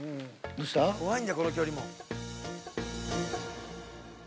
怖いんだこの距離も。